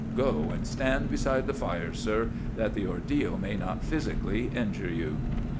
Go and stand beside the fire, sir, that the ordeal may not physically injure you."